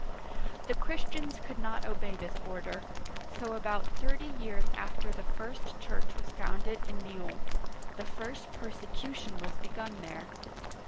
The Christians could not obey this order; so about thirty years after the first church was founded in Lyons, the first persecution was begun there.